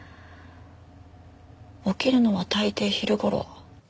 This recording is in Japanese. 起きるのは大抵昼頃。